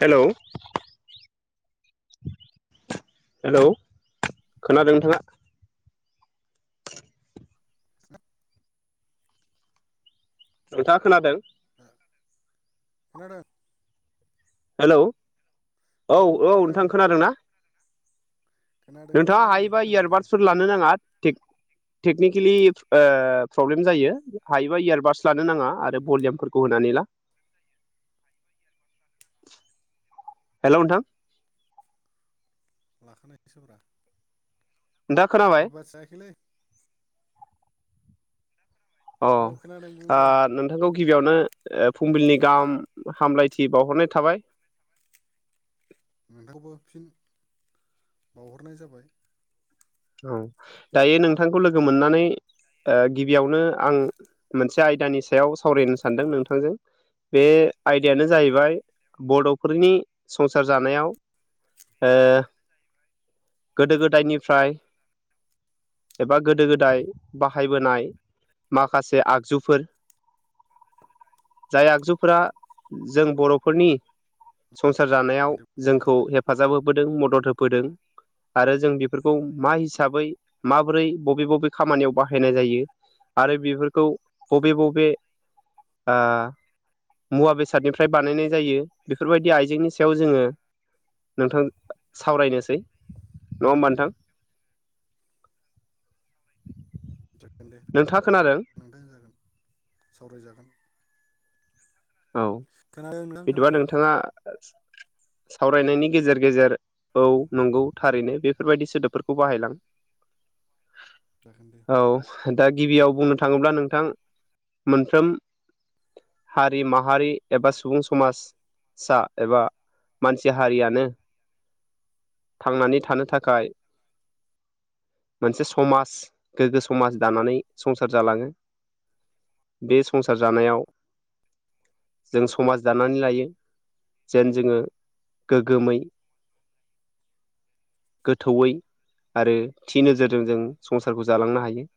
Hello hello खोनादों नोंथाङा [unintelligible] नोंथाङा खोनादों खोनादों हेलौ औ औ नोंथां खोनादोंना खोनादोंलै नोंथां खोनादों थानो नाङा [inaudible] टेकनिकेलि प्रब्लेम जायो हायोबा इयारबाद्स लानो नाङा आरो भलिमफोरखौ होनानै ला हेल' नोंथां लाखानायसब्रा नोंथाङा खोनाबाय सोरबाि जायाखैलै औ खोनादों बुं दे बिथांखौ गिबियावनो फुंबिलिनि गाहाम हामलायथि बावहरनाय थाबाय नोंथांनावबो फिन बावहरनाय जाबाय औ दायो नोंथांखौ लोगो मोननानै गिबियावनो आं मोनसे आयदानि सायाव सावरायनो सानदों नोंथांजों बे आयदायानो जाहैबाय बड'फोरनि संसार जानायाव गोदो गोदायनिफ्राय एबा गोदो गोदाय बाहायबोनाय माखासे आगजुफोर जाय आगजुफोरा जों बर'फोरनि संसार जानायाव दे बुंबाय जोंखौ थालाय हेफाजाब होबोदों मदद होबोदों आरो जों बेफोरखौ मा हिसाबै माबोरै बबे बबे खामानियाव बाहायनाय जायो आरो बेफोरखौ बबे बबे मुवा बेसादनिफ्राय बानायनाय जायो बेफोरबायदि आइजेंनि सायाव जोङो नोंथां सावरायनोसै नङा होमबा नोंथां जागोन दे नोंथाङा खोनादों नांथां जागोन सावरायजागोन औ खोनादों नोंथां बिदिबा खोनादों नोंथाङा सावरायनायनि गेजेर गेजेर औ नंगौ थारैनो बेफोरबायाददि सोदोबफोरखौ बाहायलां जागोन दे औ दा गिबियाव बुंनो थाङोब्ला नोंथां मोनफ्रोम हारि माहारि एबा सुबुं समाजसा एबा मानसि हारियानो थांनानै थानो थाखाय मोनसे समाज गोग्गो समाज दानानै संसार जालाङो बे संसार जानायाव जों समाज दानानै लायो जेन जोङो गोगोमै गोथौयै आरो थि नोजोरजों जों संसारखौ जालांनो हायो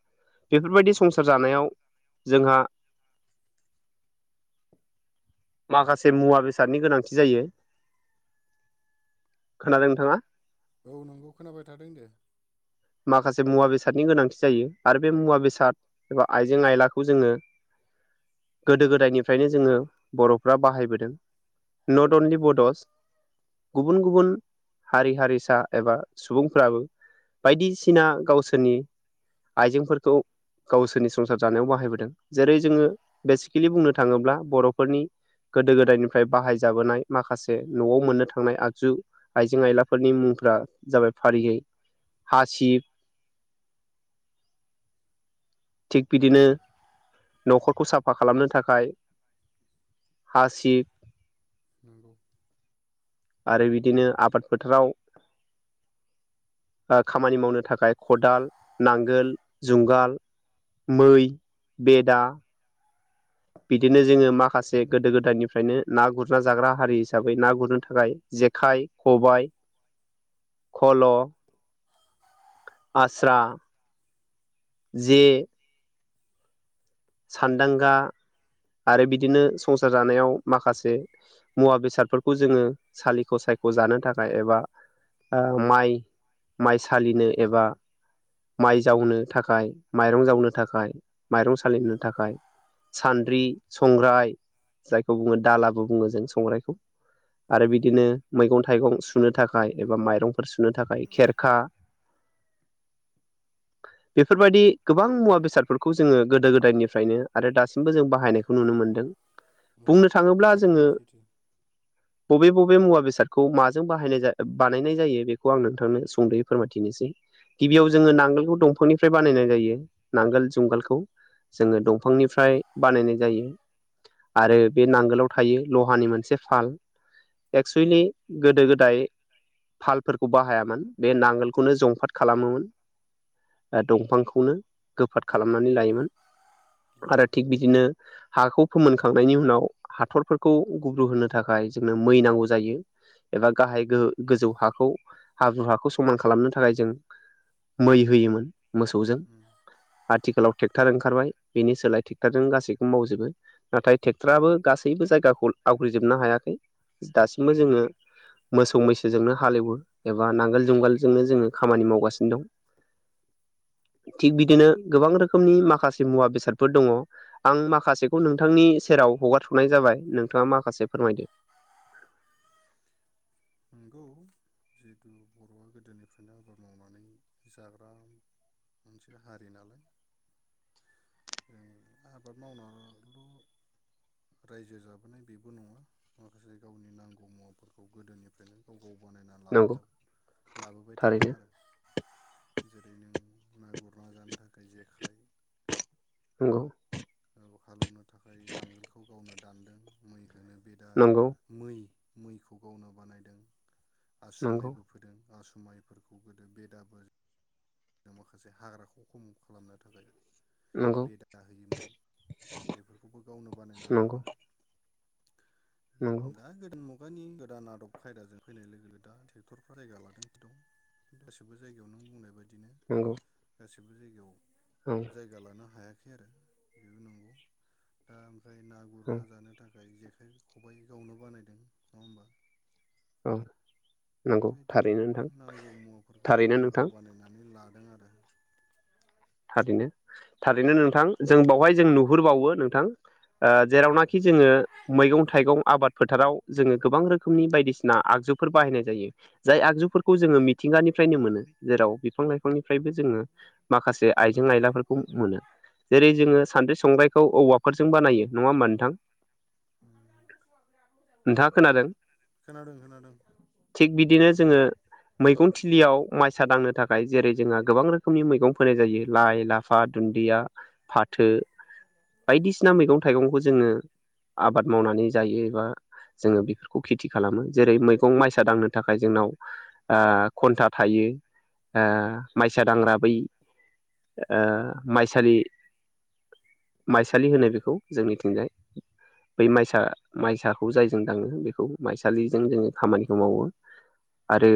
बेफोरबायदि नंगौ संसार जानायाव जोंहा माखासे मुवा बेसादनि गोनांथि जायो खोनादों नोंथाङा औ नंगौ खोनाबाय थादों दे माखासे मुवा बेसादनि गोनांथि जायो आरो बे मुवा बेसाद एबा आइजें आयलाखौ जोङो गोदो गोदायनिफ्रायनो जोङो बर'फ्रा बाहायबोदों नट अनलि नंगौ बडस गुबुन गुबुन हारि हारिसा एबा सुबुंफ्राबो बायदिसिना गावसोरनि आइजेंफोरखौ गावसोरनि संसार जानायाव बाहायबोदों जेरै जोङो बेसिकेलि बुंनो थाङोब्ला बर'फोरनि गोदो गोदायनिफ्राय बाहायजाबोनाय माखासे न'आव मोननो थांनाय आगजु आइजें आयलाफोरनि मुंफोरा जाबाय फारियै हासिब थिग बिदिनो न'खरखौ साफा खालामनो थाखाय हासिब नोंगौ आरो बिदिनो आबाद फोथाराव खामानि मावनो थाखाय खदाल नांगोल जुंगाल मै बेदा बिदिनो जोङो माखासे गोदो गोदायनिफ्रायनो ना गुरना जाग्रा हारि हिसाबै ना गुरनो थाखाय जेखाइ खबायाइ खल' आस्रा जे सानदांगा आरो बिदिनो संसार जानायाव माखासे मुवा बेसादफोरखौ जोङो सालिख' सायख जानो थाखाय एबा ओ माइ माइ सालिनो एबा माइ जावनो थाखाय माइरं जावनो थाखाय माइरं सालिनो थाखाय सान्द्रि संग्राय जायखौ बुङो दालाबो बुङो जों संग्राइखौ। आरो बिदिनो नंगौ मैगं थाइगं सुनो थाखाय एबा माइरंफोर सुनो थाखाय खेरखा। बेफोरबायदि गोबां मुवा बेसादफोरखौ जोङो गोदो गोदायनि फ्रायनो आरो दासिमबो जों बाहायनायखौ नुनो मोनदों औ बुंनो थाङोब्ला थारैनो जोङो सैथो बबे बबे मुवा बेसादखौ माजों बाहायनाय बानायनाय जायो बेखौ आं नोंथांनो सुंदयै फोरमायथिनोसै गिबियाव जोङो नांगोलखौ दंफांनिफ्राय बानायनाय जायो नांगोल जुंगालखौ। जोङो दंफांनिफ्राय बानायनाय जायो। आरो बे नांगोलाव थायो लहानि मोनसे फाल। एक्सुेलि गोदो गोदाय फालफोरखौ बाहायामोन बे नांगोलखौनो जंफाद खालामोमोन। ओ दंफांखौनो गोफाद खालामनानै लायोमोन। औ आरो थिग बिदिनो हाखौ फोमोनखांनायनि उनाव हाथरफोरखौ गुब्रु होनो थाखाय जोंनो मै नांगौ जायो। एबा गाहाय गो गोजौ हाखौ हाब्रु हाखौ समान खालामनो थाखाय जों मै होयोमोन मोसौजों आथिखालाव ट्रेक्टार ओंखारबाय। बेनि सोलाय ट्रेक्ट'रजों गासैखौबो मावजोबो। नाथाय ट्रेक्टराबो गासैबो जायगाखौ आवग्रिजोबनो हायाखै दासिमबो जोङो। मोसौ मैसोजोंनो हाल एवो एबा नांगोल जुंगालजोंनो जोङो खामानि मावगासिनो दं। थिग बिदिनो गोबां रोखोमनि माखासे मुवा बेसादफोर दङ। आं माखासेखौ नोंथांनि सेराव हगारथ'नाय जाबाय नोंथाङा माखासे फोरमायदो। नंगौ। जिहेतु बर'आ गोदोनिफ्रायनो आबाद मावनानै जाग्रा मोनसे हारि नालाय। जों आबाद मावनाल' रायजो जाबोनाय बेबो नङा माखासे गावनि नांगौ मुवाफोरखौ गोदोनिफ्रायनो गाव गाव बानायना लाबो नंगौ लाबोबाय थादों थारैनो आरो। जेरै नों ना गुरना जानो थाखाय जेखाइ। नंगौ। औ हाल एवनो थाखाय नांगोलखौ गावनो दानदों मै होनो बेदा नंगौ मै मैखौ गावनो बानायदों आसु नंगौ माइबो। फोदों आसु माइफोरखौ गोदो बेदाबो जों माखासे हाग्राखौ खम खालामनो थाखाय नंगौ बेदा होयोमोन बेफोरखौबो गावनो बानायना नंगौ लादों। नंगौ दा गोदो माव खुगानि गोदान आदब खायदाजों फैनाय लोगो लोगो दा ट्रेक्टरफ्रा जायगा लागासिनो दं। गासिबो जायगायाव नों बुंनाय बायदिनो नंगौ। गासिबो जायगायाव औ जाय गा लानो हायाखै आरो बेबो नंगौ दा ओमफ्राय ना औ गुरना जानो थाखाय जेखाइ खबाइ गावनो बानायदों नङा ओमबा? औ नंगौ बेबायदिनो थारैनो गोबां नोंथां नांगौ मुवाफोरखौ थारैनो गावनो गाव नोंथां बानायनानै माने लादों आरो। थारैनो थारैनो नोंथां जों बावहाय जों नुहुरबावो नोंथां ओ औ जेरावनाखि जोङो मैगं- थाइगं आबाद फोथाराव जोङो गोबां रोखोमनि बायदिसिना आगजुफोर बाहायनाय जायो। जाय आगजुफोरखौ जोङो मिथिंगानिफ्रायनो मोनो जेराव बिफां -लाइफांनिफ्रायबो जोङो माखासे आइजें- आइलाफोरखौ मोनो जेरै जोङो सान्द्रि, संग्रायखौ औवाफोरजों बानायो नङा होमबा नोंथां। नोंथाङा खोनादों [inaudible] खोनादों खोनादों। थिग बिदिनो जोङो मैगं थिलियाव माइसा दांनो थाखाय जेरै जोंहा गोबां रोखोमनि मैगं फोनाय जायो। लाइ, लाफा, दुन्दिया, फाथो बायदिसिना मैगं-थाइगंखौ जोङो आबाद मावनानै जायो एबा जोङो बेफोरखौ खेथि खालामो जेरै मैगं माइसा दांनो थाखाय जोंनाव ओ खन्था थायो। ओ माइसा दांग्रा बै ओ माइसालि माइसालि होनो बेखौ जोंनिथिंजाय। बै माइसा माइसाखौ जायजों दाङो बेखौ उम माइसालिजों जोङो खामानिखौ नंगौ मावो। आरो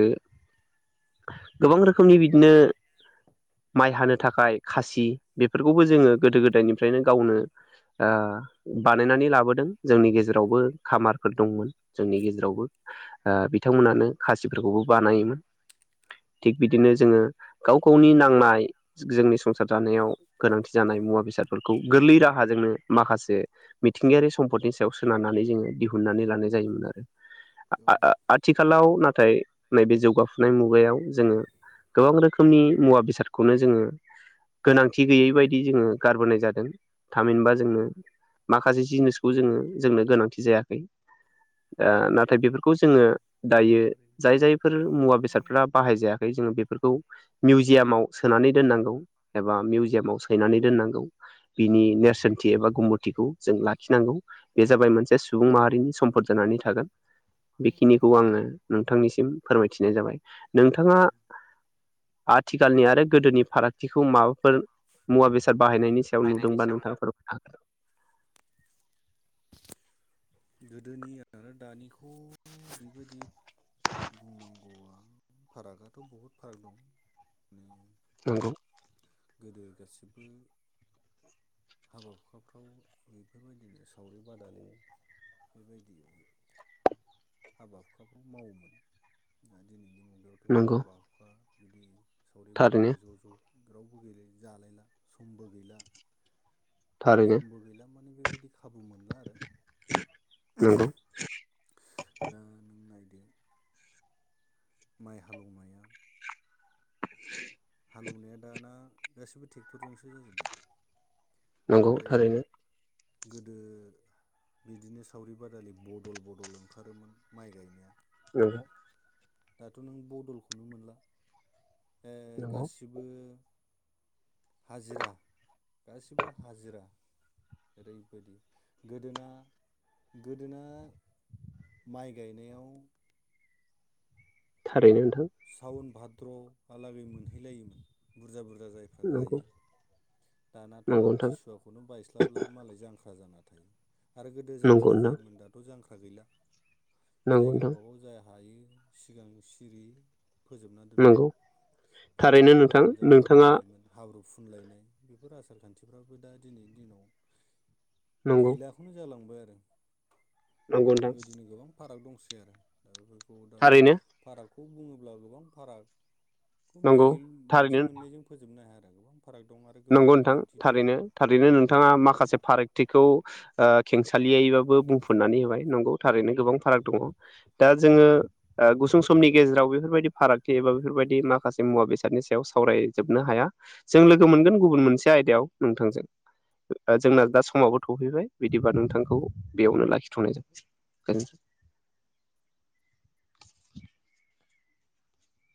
गोबां रोखोमनि बिदिनो माइ हानो थाखाय खासि बेफोरखौबो जोङो गोदो गोदायनिफ्रायनो गावनो ओ बानायनानै लाबोदों जोंनि गेजेराव नावबो खामारफोर दंमोन जोंनि गेजेरावबो। ओ बिथांमोनानो खासिफोरखौबो बानायोमोन। थिग बिदिनो जोङो गाव गावनि नांनाय जोंनि संसार जानायाव गोनांथि जानाय मुवा बेसादफोरखौ गोरलै राहाजोंनो माखासे मिथिंगायारि सम्पदनि सायाव सोनारनानै जोङो दिहुननानै लानाय जायोमोन आरो औ आथिखालाव नाथाय नैबे जौगाफुनाय मुगायाव जोङो गोबां रोखोमनि मुवा बेसादखौनो जोङो गोनांथि गैयि बायदि जोङो गारबोनाय जादों थामहिनबा जोंनो माखासे जिनिसखौ जोङो जोंनो गोनांथि जायाखै ओ नाथाय बेफोरखौ खौ उम जोङो नंगौ दायो थारैनो जाय जायफोर मुवा बेसादफ्रा बाहाय जायाखै जोङो बेफोरखौ मिउजियामाव सोनानै दोननांगौ। एबा मिउजियामाव सैनानै दोननांगौ। बिनि नेरसोनथि एबा गुमुरथिखौ जों लाखिनांगौ। बे जाबाय मोनसे सुबुं माहारिनि सम्पद जानानै थागोन बेखिनिखौ आङो नोंथांनिसिम फोरमायथिनाय जाबाय नोंथाङा आथिखालनि आरो गोदोनि फाराग थिखौ माबाफोर मुवा बेसाद बाहायनायनि सायाव नुदोंबा नोंथाङा फोर गोदोनि आरो दानिखौ बेबायदि बुंनांगौआ फारागाथ' बहुद फाराग दं माने नंगौ। गोदो गासिबो हाबा हुखाफ्राव बेफोर बायदिनो सावरि बादालि बेबायदियाव हाबा हुखाफ्राव मावोमोन ओ दिनैनि मुगायावथ' नंगौ हाबा-हुखा बिदि थारैनो सावरि-बादालि ज' ज' रावबो गैयि जालायला समबो गैला। थारैनो समबो गैला माने बेबायदि खाबु मोनला आरो नंगौ [inaudible] दा नों नायदो माइ हाल एवनाया हालौनाया दाना गासिबो टेक्टरजोंसो जाजोबबाय। नंगौ आरो थारैनो गोदो बिदिनो सावरि बादालि बदल बदल ओंखारोमोन माइ गायनाया। नोंगो। दाथ' नों बदलखौनो मोनला ओ नंगौ गासिबो हाजिरा गासिबो हाजिरा। ओरैबायदि गोदोना गोदोना माइ गायनायाव थारैनो नोंथां सावन भाद्र' आलागै मोनहैलायोमोन बुरजा बुरजा जायफोर नंगौ गायो दानाथ' नंगौ नोंथां आमथिसुवा खौनो बायस्लाबब्ला मालाय जांख्रा जाना थायो आरो गोदो नंगौ जांख्रा नोंथां जायोमोन दाथ थ' जांख्रा गैला नंगौ नोंथां जायगाबागाव जाय हायो सिगां सिरि फोजोबना दोनबाय नंगौ थारैनो गोदोनाथ' नोंथां नांगोल जांखार नोंथाङा दंलायोमोन हाब्रु फुनलायनाय बेफोर आसार खान्थिफ्राबो दा दिनैनि दिनाव नंगौ गैला बेखनो जालांबाय आरो नंगौ नोंथां बेबायदिनो गोबां फाराग दंसै आरो दा बेफोरखौ दा थारैनो फारागखौ बुङोब्ला गोबां फाराग खौ बे नंगौ मोनसे थारैनो मोननैजों फोजोबनो हाया आरो गोबां फाराग दं आरो गोबां नंगौ नोंथां बिदिन्थि दङ थारैनो थारैनो नोंथाङा माखासे फार थिखौ खेंसालियैबाबो बुंफुननानै होबाय नंगौ थारैनो गोबां फाराग दङ दा जोङो गुसुं समनि गेजेराव बेफोरबायदि फारागथि एबा बेफोरबायदि माखासे मुवा बेसादनि सायाव सावरायजोबनो हाया जों लोगो मोनगोन गुबुन मोनसे आयदायाव नोंथांजों जोंना दा समावबो सफैबाय बिदिबा नोंथांखौ बेयावनो लाखिथ'नाय जानोसै [unintelligible]